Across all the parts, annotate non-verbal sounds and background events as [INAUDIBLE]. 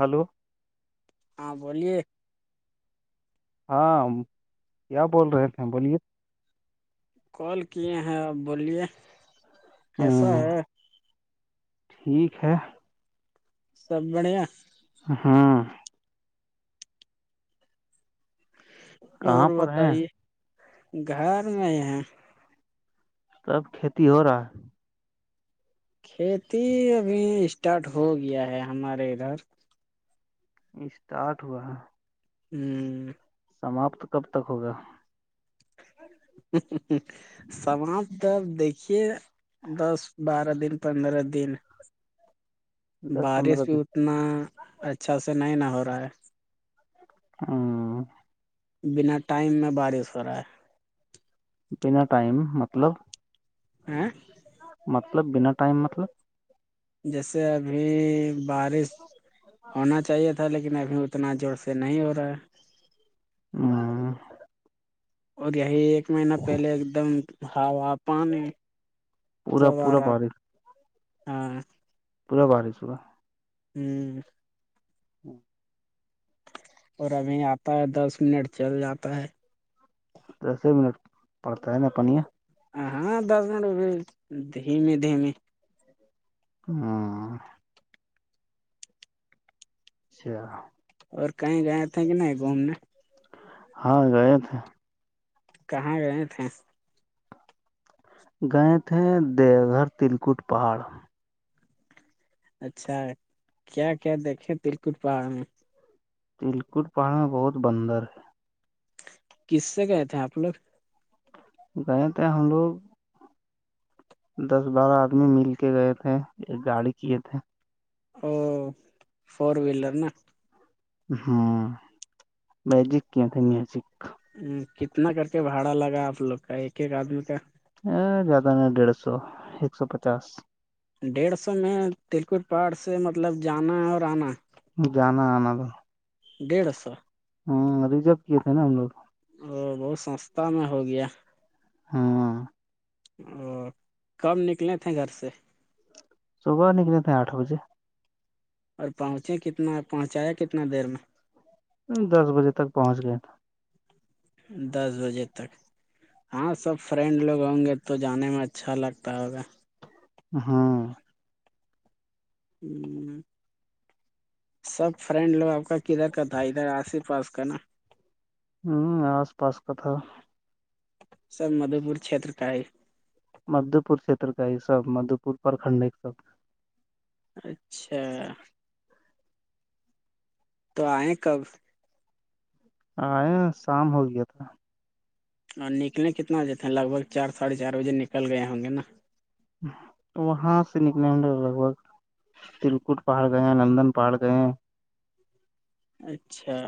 hello ہاں بولیے ہاں کیا بول رہے تھے بولیے کال کیے ہیں اب بولیے کیسا ہ ہے ٹھیک ہے سب بڑھیا [INAUDIBLE] ہاں کہاں اور پر ہیں بتائیے گھر میں ہے تب کھیتی ہو رہا ہے کھیتی ابھی اسٹارٹ ہو گیا ہے ہمارے ادھر اسٹارٹ ہوا ہوں سماپت کب تک ہوگا [INAUDIBLE] سمج د دیکھیے دس بارہ دن پندرہ دن [INAUDIBLE] دس بارش پندرہ بھی دن اتنا اچھا سے نہیں نہ ہو رہا ہے ہوں بنا ٹائم میں بارش ہو رہا ہے بنا ٹائم مطلب ہاں مطلب بنا ٹائم مطلب جیسے ابھی بارش ہونا چاہیے تھا لیکن لیکن ابھی اتنا زور سے نہیں ہو رہا ہے ہاں اور یہی ایک مہینہ پہلے ایک دم ہا آا پانی پورا پورا سبرت بارش ہاں پورا بارس ہوورا ہوں ہوں اور ابھی آتا ہے دس منٹ چل جاتا ہے دس ہی منٹ پڑتا ہے نا پنیا ہاں دس منٹ رو دھیمی دھیمی ہاں اچھا اور کہیں گئے تھے کہ نہیں گھومنے ہاں گئے تھے کہاں گئے تھے گئے تھے دیوگھر تلکٹ پہاڑ اچھا کیا کیا دیکھے تلکٹ پہاڑ میں تلکٹ پہڑا بہت بندر ہے کس سے گئے تھے آپ لوگ گئے تھے ہم لوگ دس بارہ آدمی مل کے گئے تھے ایک گاڑی کیے تھے او فور ویلر نا ہاں مجک کیا تھا ن ہےجک ہ کتنا کر کے بھاڑا لگا آپ لوگ کا ایک ایک آدمی کا ا زیادہ نہیں ڈیڑھ سو ایک سو پچاس ڈیڑھ سو میں تلکٹ پہاڑ سے مطلب جانا ہے اور آنا جانا آنا تھا ڈیڑھ سو ہاں ریزرو کیے تھے نا ہم لوگ او بہت سستا میں ہو گیا ہاں اورو کم نکلے تھے گھر سے صبح نکلے تھے آٹھ بجے اور پہنچے کتنا پہنچایا کتنا دیر میں دس بجے تک پہنچ گیا تھا دس بجے تک ہاں سب فرینڈ لوگ ہوں گے تو جانے میں اچھا لگتا ہوگا ہاں ہوں سب فرینڈ لوگ آپ کا کدھر کا تھا ادھر آسی پاس کا نا ہوں آس پاس کا تھا سر مدھو پور چھیتر کا ہے مدھو پور چھیتر کا ایک سب مدھو پور پرکھنڈ ایک سب اچھا تو آئ کب ہ شام ہو گیا تھا اور نکلیں کتنا بجے تھے لگ بھگ چار ساڑھے چار بجے نکل گئے ہوں گے نا وہاں سے نکل ہم لے لگ بھگ تلکٹ پاڑ گئے ہیں نندن پہاڑ گئے ہیں اچھا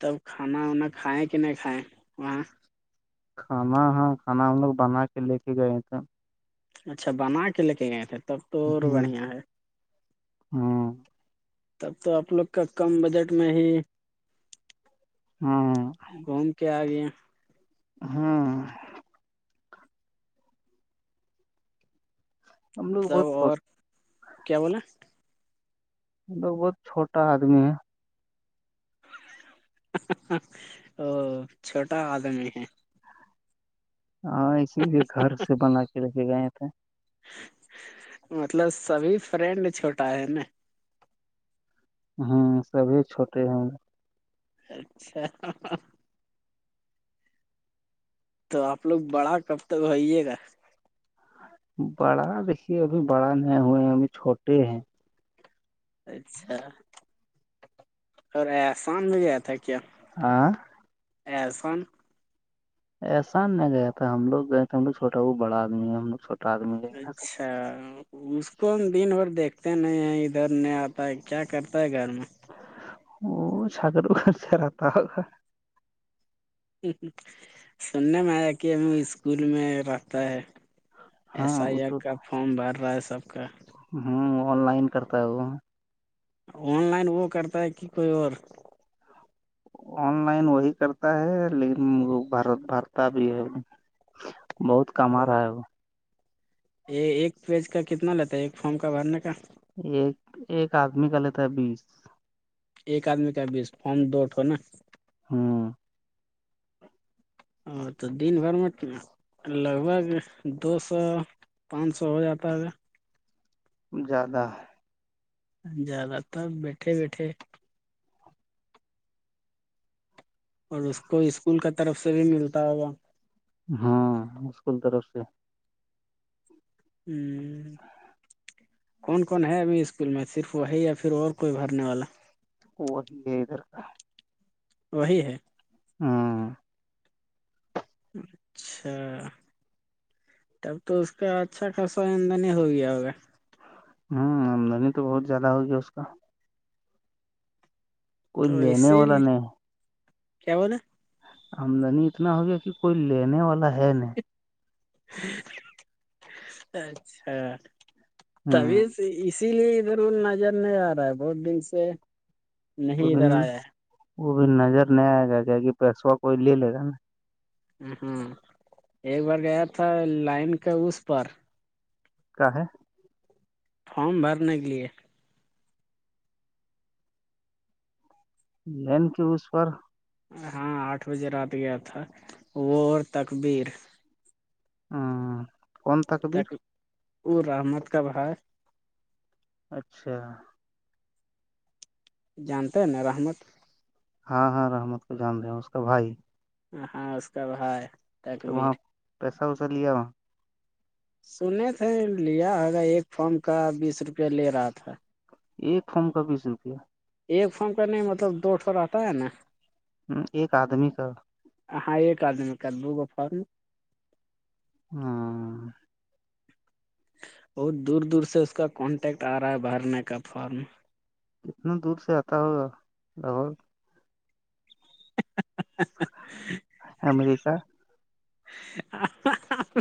تب کھانا وانا کھیں کہ نہیں کھائے وہاں کھانا ہاں کھانا ہم لوگ بنا کے لے کے گئے تھے اچھا بنا کے لے کے گئے تھے تب تو اور ہوں بڑھیا ہے ہوں تب تو آپ لوگ کا کم بجٹ میں ہی ہاں گھوم کے آگیا ہاں ہم لوگ تب بہت چھوٹ اور کیا بولیں مطلب بہت چھوٹا آدمی ہے او چھوٹا آدمی ہے ہاں اسی لیے گھر سے بنا کے لے کے گئے تھے مطلب سبھی فرینڈ چھوٹا ہے نا ہوں سبھی چھوٹے ہیں ہم اچھا تو آپ لوگ بڑا کب تک ہوئیے گا بڑا دیکھیے ابھی بڑا نہ ہوئے ہیں ابھی چھوٹے ہیں اچھا اور آیا شام میں گ آیا تھا کیا آاں عرفان احسان نہ گیا تھا ہم لگ گئے تھے ہم لو چھوٹا وہ بڑا آدمی ہے ہم لوگ چھوٹا آدمی گئے اچھا [UNINTELLIGIBLE] اس کو ہم دن بھر دیکھتے نہیں ہیں ادھر نہیں آتا ہے کیا کرتا ہے گھر میں وہ ساگررو خرچ رہتا ہو سننے میں آیا کہ ہمیں اسکول میں رہتا ہے ایس ہاں آئی وہ آر تو کا فارم بھر رہا ہے سب کا ہوں آن لائن کرتا ہوں آن لائن وہ کرتا ہے کہ کوئی اور آن لائن وہی کرتا ہے لیکن وہ بار بھرتا بھی ہے بہت کم آ رہا ہے وہ یہ ایک پیج کا کتنا لیتا ہے ایک فارم کا بھرنے کا ایک ایک آدمی کا لیتا ہے بیس ایک آدمی کا بیس فم دوٹو نا ہاں ا تو دن بھر متنا لگ بھگ دو سو پانچ سو ہو جاتا ہے زیادہ زیادہ ت بیٹھے بیٹھے اور اس کو اسکول کا طرف سے بھی ملتا ہوگا ہاں مکول طرف سے ہوں کون کون ہے ابھی اسکول میں صرف وہی یا پھر اور کوئی بھرنے والا کوگ کا وہی ہے ہاں اچھا تب تو اس کا اچھا خاصا ادن ہی ہو گیا ہوگا ہوں آمدنی تو بہت زیادہ ہوگیا اس کا کوئی تو لینے اسی والا لیے نہیں ہے کیا بول آمدنی اتنا ہو گیا کہ کوئی لینے والا ہے نہیں اچھا تبھی ہ اس اسی لیے ادھر ا نظر نہیں آ رہا ہے بہت دن سے وہ نہیں بھی ادھر آیا وہ بھی نظر نہیں آئے گا کیا کہ پیسو کوئی لے لے گا نا ہاں ایک بار گیا تھا لائن کا اس پر کا ہے فم بھرنے کے لیے لین کی اس پر ہاں آٹھ بجے رات گیا تھا وہ اور تقبیر ہاں تک وہ رحمت کابھائی اچھا جانتے ہیں نا رحمت ہاں ہاں رحمت کو جان رہ ہیں اس کا بھائی ہاں اس کا بھا ہے تو وہاں پیسہ وسا لیا وہاں سنے تھے لیا ہوگا ایک فارم کا بیس روپیہ لے رہا تھا ایک فم کا بیس روپیہ ایک فم کرنے میں مطلب دو ٹھ رہتا ہے نا ایک آدمی کا ہاں ایک آدمی میں کر د گا فارم ہاں بہت دور دور سے اس کا کانٹیکٹ آ رہا ہے بھرنے کا فارم کتنے دور سے آتا ہوگا لگ بھگ [UNINTELLIGIBLE] امریکہ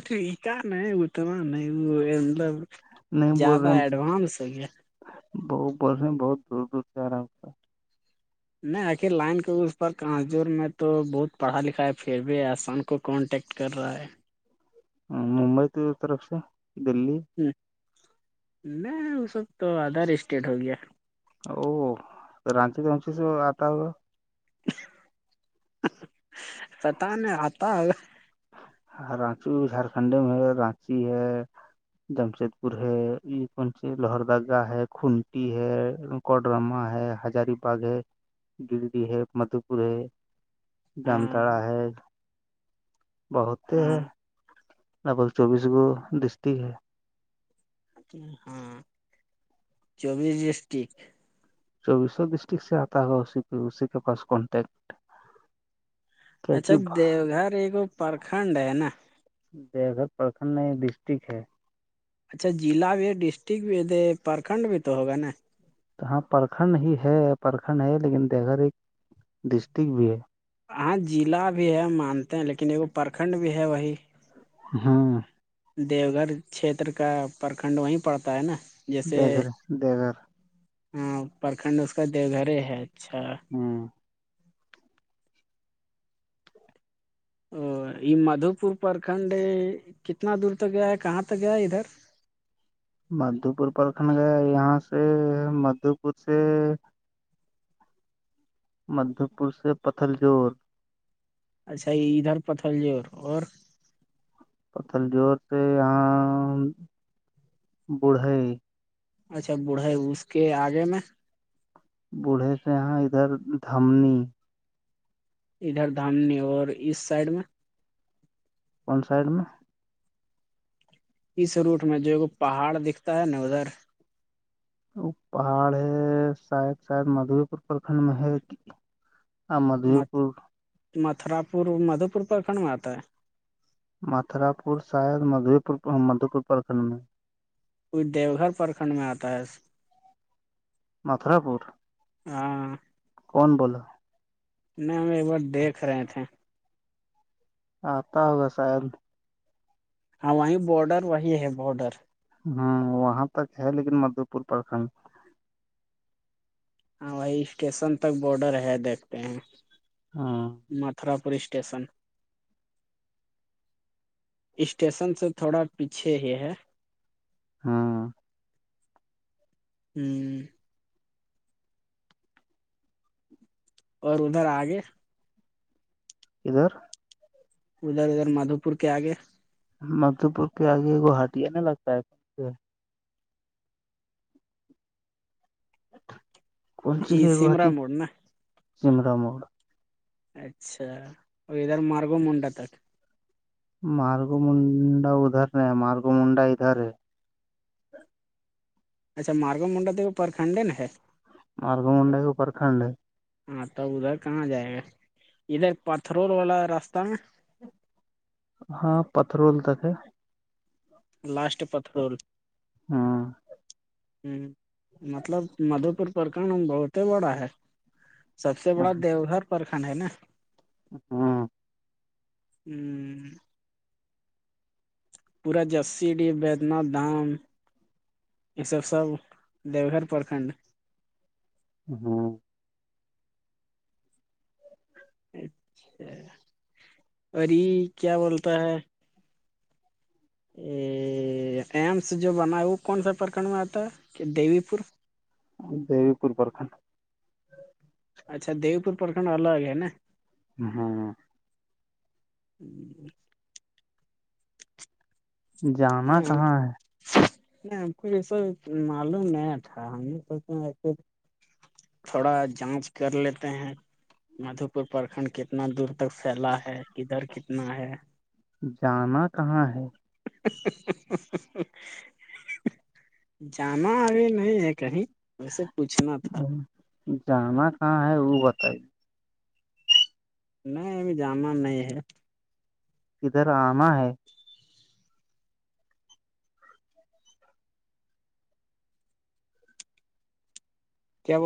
ٹیکا اتنا نہیں وہ مطلب نہیں بول رہے زیادہ ایڈوانس ہو گیا بت بول رہے ہیں بہت دور دور سے آ رہا اس کا نہیں آخر لائن کے اس پر کاںزور میں تو بہت پڑھا لکھا پھر بھی آحسان کو کانٹیکٹ کر رہا ہے ممبئی تو طرف سے دلی نہیں اس وب تو ادر اسٹیٹ ہو گیا او رانچ تو رنچ سے آتا ہو گا پتا ن آتا رانچی جھارکھنڈ میں ہے رانچی ہے جمشید پور ہے یہ کون سی لاہور دگاہ ہے کھنٹی ہے کوڈرما ہے ہزاری باغ ہے گرڈی ہے مدو پور ہے ہاں جامتاڑہ ہے بہتے ہے ہاں لگ بگ چوبیس گو ڈسٹک ہے ہاں چوبیس ڈسٹک چوبیسو ڈسٹرکٹ سے آتا ہو اسی اسی کے پاس کانٹیکٹ کیا اچھا کہ دیو گھر ایک پرکھنڈ ہے نا ج پرکھنڈ میں ڈسٹرک ہے اچھا ضلع بھی ہے ڈسٹرکٹ بھی د پرکھنڈ بھی تو ہوگا نا ہاں پرکھنڈ ہی ہے پرکھنڈ ہے لیکن دیکگر ایک ڈسٹک بھی ہے ہاں ضلع بھی ہے مانتے ہیں لیکن ایکگو پرکھنڈ بھی ہے وہی ہاں دیو گھر چھیتر کا پرکھنڈ وہیں پڑتا ہے نا جیسے دیہ گھر دیہ گھر ہاں پرکھنڈ اس کا دیو گھر ہے اچھا ہوں او یہ مدھو پور پرکھنڈ کتنا دور تک گیا ہے کہاں تک گیا ہے ادھر مدھو پور پرکھن گئے یہاں سے مدھو پور سے مدھو پور سے پتھل جوڑ اچھا یہ ادھر پتھل ج اور پتل جوور سے یہاں بوڑھے اچھا بوڑھائی اس کے آگے میں بوڑھے سے یہاں ادھر دمنی ادھر دھامنی اور اس سائڈ میں کون سائڈ میں اس روٹ میں جو ایک پہاڑ دکھتا ہے نا ادھر وہ پہاڑ ہے شاید شاید مدھوے پور پرکھنڈ میں ہے ہ مدھوی پور متھرا پور مدوپور پرکھنڈ میں آتا ہے متھراپور شاید مھ مدھو پور پرکھنڈ میں کوئی دیو گھر پرکھنڈ میں آتا ہے متھرا پور ہاں کون بولو نہیں ہم ایک بار دیکھ رہے تھے آاںتا ہوگا ساد ہاں وہیں بارڈر وہی ہے بارڈر ہوں وہاں تک ہے لیکن مدھے پور پرکھنڈ ہاں وہی اسٹیشن تک بارڈر ہے دیکھتے ہیں ہاں متھرا پوری اسٹیسن اسٹیشن سے تھوڑا پیچھے ہی ہے ہاں ہوں اور ادھر آگے ادھر ادھر ادھر مادھو پور کے آگے مدو پور کے آگے گ ہٹیا ن لگتا ہے کون سے یہ ہے سمرا گوہاٹی موڑ نا سمر مڑا اچھا اور ادھر مارگو منڈا تک مارگ منڈا ادھر ن مارگ منڈا ادھر ہے اچھا مارگا منڈا تو پرکھنڈے ن ہے مارگمن منڈے پرکھنڈ ہے ہاں تب ادھر کہاں جائے گا ادھر پتھرول والا راستہ میں ہاں پتھرول تک ہے لاسٹ پتھرول ہاں ہوں مطلب مدھوپور پرکنڈ بہت بڑا ہے سب سے ہاں بڑا دیو گھر پرکھنڈ ہے نا ہاں [INAUDIBLE] ہوں [INAUDIBLE] پورا جرسی ڈ ودنات دھام [INAUDIBLE] یہ سب سب دیو گھر پرکھنڈ [INAUDIBLE] ہاں [INAUDIBLE] اچھا ای کیا بولتا ہے [INAUDIBLE] ایمس جو بنا ہے وہ کون سا پرکھنڈ میں آتا ہے دیوی پور [INAUDIBLE] دو پور پرکھنڈ اچھا دیو پور پرکھنڈ الگ ہے نا ہاں ہوں [INAUDIBLE] جانا کہاں ہے نہیں ہم کو یہ سب معلوم نہیں تھا ہم نے س [INAUDIBLE] تھوڑا جانچ کر لیتے ہیں مدھو پور پرکھنڈ کتنا دور تک سیلا ہے ادھر کتنا ہے جانا کہاں ہے جانا اب نہیں ہے کہیں [INAUDIBLE] ویسے پوچھنا تھا جانا کہاں ہے وہ بتائیے نہیں ابھی جانا نہیں ہے ادھر آنا ہے کیاول [INAUDIBLE]